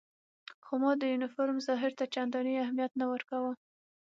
خو ما د یونیفورم ظاهر ته چندانې اهمیت نه ورکاوه.